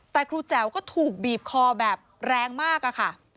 แต่ครูแจ๋วก็ถูกบีบคอแบบแรงมากอะค่ะ